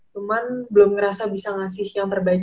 cuman belum ngerasa bisa ngasih yang terbaik